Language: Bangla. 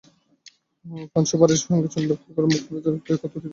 পান-সুপারির সঙ্গে চুন ব্যবহারের ফলে মুখের ভেতর ক্ষত তৈরি হতে পারে।